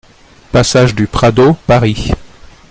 Passage du Prado, Paris